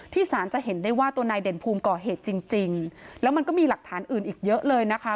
สารจะเห็นได้ว่าตัวนายเด่นภูมิก่อเหตุจริงจริงแล้วมันก็มีหลักฐานอื่นอีกเยอะเลยนะคะ